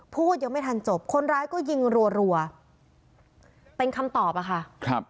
พูดยังไม่ทันจบคนร้ายก็ยิงรัวเป็นคำตอบอะค่ะครับ